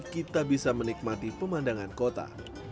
kita bisa menikmati pemandangan kota